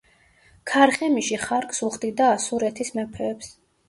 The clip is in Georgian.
ქარხემიში ხარკს უხდიდა ასურეთის მეფეებს.